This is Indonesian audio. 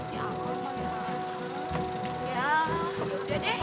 ya sudah deh